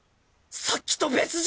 さっきと別人！？